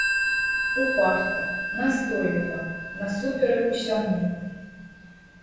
Упарта, настойліва, насуперак усяму.